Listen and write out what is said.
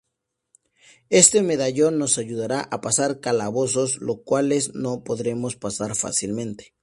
Este Medallón nos ayudará a pasar calabozos, los cuales no podremos pasar fácilmente.